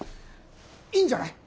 いいんじゃない？